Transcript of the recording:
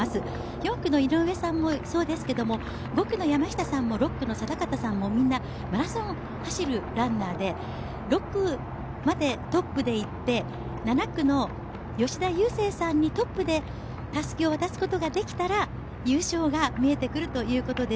４区の井上さんもそうですけど、５区の山下さんも６区の定方さんもみんなマラソンを走るランナーで６区までトップでいって、７区の吉田裕晟さんにトップでたすきを渡すことができたら優勝が見えてくるということです。